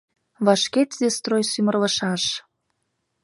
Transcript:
Вашке тиде строй сӱмырлышаш...